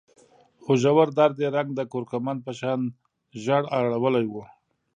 خو ژور درد يې رنګ د کورکمند په شان ژېړ اړولی و.